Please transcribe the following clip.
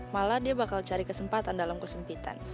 malah dia bakal cari kesempatan dalam kesempitan